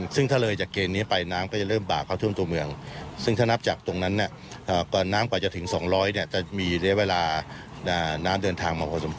ซึ่งถ้าเลยจากเกณฑ์นี้ไปน้ำก็จะเริ่มบ่าเข้าท่วมตัวเมืองซึ่งถ้านับจากตรงนั้นเนี่ยกว่าน้ำกว่าจะถึง๒๐๐เนี่ยจะมีระยะเวลาน้ำเดินทางมาพอสมควร